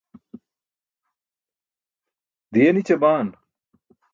diye nićabaan